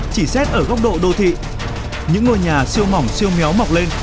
chỉ xét ở góc độ đô thị những ngôi nhà siêu mỏng siêu méo mọc lên